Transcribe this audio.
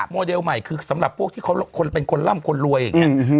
โมเดลใหม่คือสำหรับพวกที่เขาเป็นคนร่ำคนรวยอย่างนี้